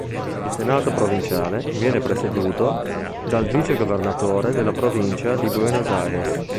Il Senato provinciale viene presieduto dal Vicegovernatore della Provincia di Buenos Aires.